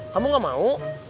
kamu nggak mau